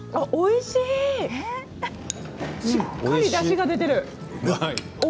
しっかり、だしが出ている。